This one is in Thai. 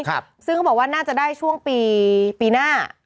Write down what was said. เขาบอกว่าน่าจะได้ช่วงปีปีหน้า